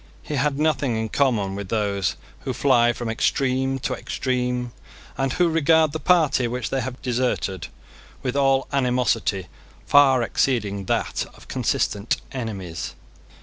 He had nothing in common with those who fly from extreme to extreme, and who regard the party which they have deserted with all animosity far exceeding that of consistent enemies.